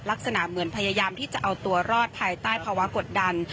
ลักษณะเหมือนพยายามที่จะเอาตัวรอดภายใต้ภาวะกดดัน